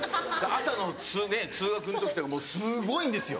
朝の通学の時とかもうすごいんですよ。